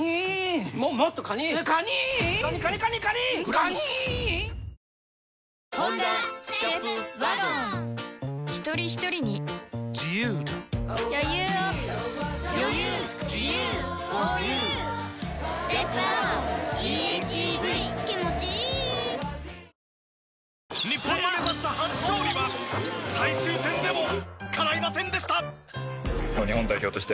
わかるぞ日本の目指した初勝利は最終戦でもかないませんでした。